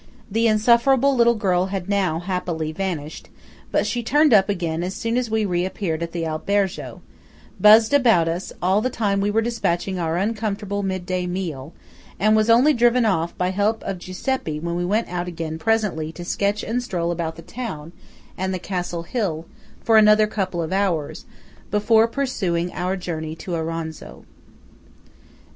The insufferable little girl had now, happily, vanished; but she turned up again as soon as we re appeared at the Albergo, buzzed about us all the time we were despatching our uncomfortable mid day meal, and was only driven off by help of Giuseppe when we went out again presently to sketch and stroll about the town and the castle hill for another couple of hours, before pursuing our journey to Auronzo.